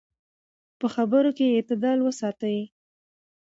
په خبرو کې اعتدال وساتئ.